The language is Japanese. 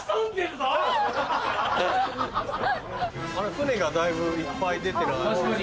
船がだいぶいっぱい出てる。